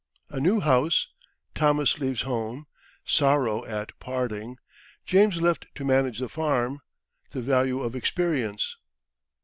A New House Thomas leaves Home Sorrow at Parting James left to Manage the Farm The Value of Experience.